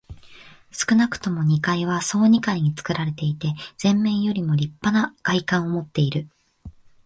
少なくとも二階は総二階につくられていて、前面よりもりっぱな外観をもっている。